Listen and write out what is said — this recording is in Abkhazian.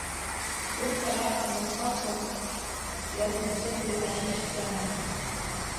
Урҭ араҟа амырхәага, иаргәыбзыӷуеит ашьыжь заа.